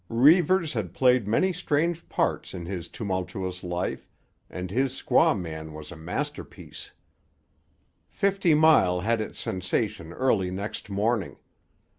Reivers had played many strange parts in his tumultuous life, and his squaw man was a masterpiece. Fifty Mile had its sensation early next morning.